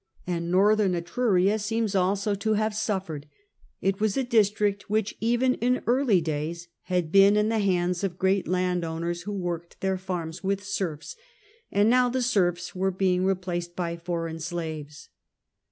And Northern Etruria seems also to have suffered; it was a district which even in early days had been in the hands of great landholders who worked their farms with serfs, and now the serfs were being replaced by foreign slaves.